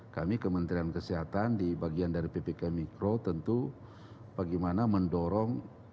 kami kementerian kesehatan di bagian dari ppkm mikro tentu bagaimana mendorong